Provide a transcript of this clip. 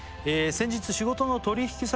「先日仕事の取引先の人と」